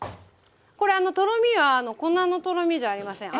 これとろみは粉のとろみじゃありません。